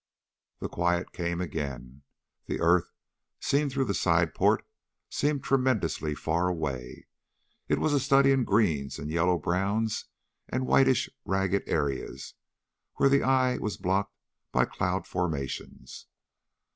The quiet came again. The earth, seen through the side port, seemed tremendously far away. It was a study in greens and yellow browns and whitish ragged areas where the eye was blocked by cloud formations.